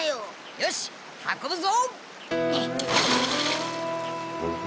よし運ぶぞ！